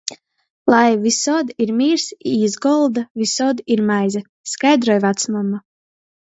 Lai vysod ir mīrs, i iz golda — vysod ir maize, skaidroj vacmama.